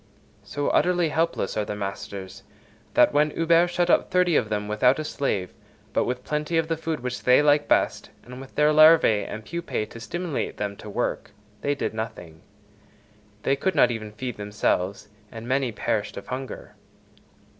So utterly helpless are the masters, that when Huber shut up thirty of them without a slave, but with plenty of the food which they like best, and with their larvæ and pupæ to stimulate them to work, they did nothing; they could not even feed themselves, and many perished of hunger.